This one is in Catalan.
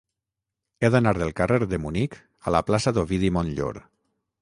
He d'anar del carrer de Munic a la plaça d'Ovidi Montllor.